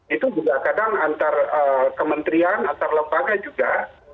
itu juga kadang antar kementerian antar lembaga juga